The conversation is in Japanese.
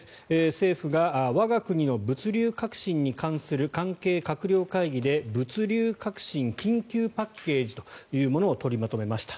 政府が、我が国の物流革新に関する関係閣僚会議で物流革新緊急パッケージというものを取りまとめました。